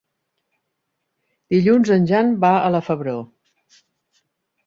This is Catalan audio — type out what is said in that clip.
Dilluns en Jan va a la Febró.